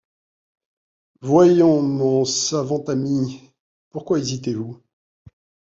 Voyons, mon savant ami, pourquoi hésitez-vous?